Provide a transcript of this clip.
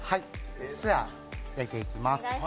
では焼いていきます。